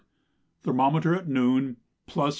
Thermometer at noon +56°.